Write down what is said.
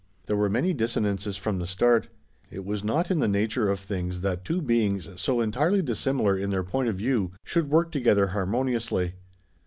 There were many dissonances from the start. It was not in the nature of things that two beings so entirely dissimilar in their point of view should work together harmoniously.